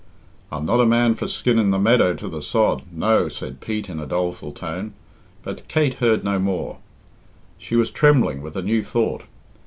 "I'm not a man for skinning the meadow to the sod, no " said Pete, in a doleful tone; but Kate heard no more. She was trembling with a new thought.